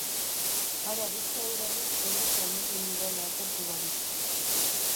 Hara beste hau berriz orrika ematen didala atertu barik.